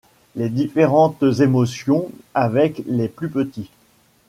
les différentes émotions avec les plus petits